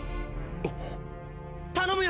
っ⁉頼むよ！